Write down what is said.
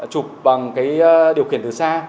chụp bằng cái điều kiện từ xa